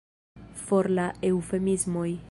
For la eŭfemismoj!